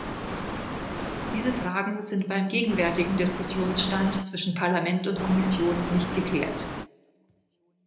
Diese Fragen sind beim gegenwärtigen Diskussionsstand zwischen Parlament und Kommission nicht geklärt.